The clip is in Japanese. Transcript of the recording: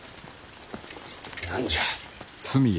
何じゃ。